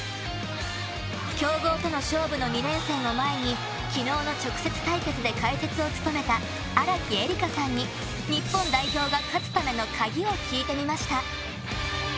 強豪との勝負の２連戦を前に昨日の直接対決で解説を務めた荒木絵里香さんに日本代表が勝つための鍵を聞いてみました。